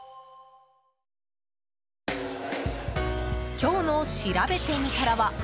今日のしらべてみたらは。